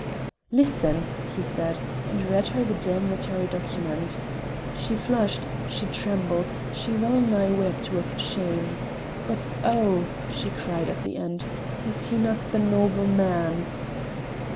"Listen," he said, and read her the damnatory document. She flushed, she trembled, she well nigh wept with shame; but "Oh!" she cried at the end, "is he not the noble man?"